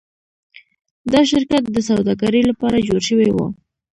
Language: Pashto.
دا شرکت د سوداګرۍ لپاره جوړ شوی و.